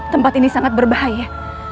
tempat ini sangat berbahaya